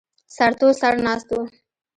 سرتور سر ناست و.